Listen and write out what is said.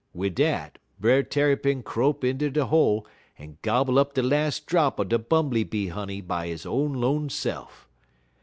Wid dat, Brer Tarrypin crope inter de hole en gobble up de las' drop er de bumbly bee honey by he own alone se'f.